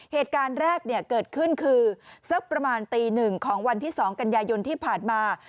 เหตุการณ์แรกเกิดขึ้นคือสักประมาณตีหนึ่งของวันที่๒กันยายนที่ผ่านมา